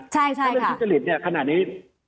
ใช่ค่ะทุจริตขนาดนี้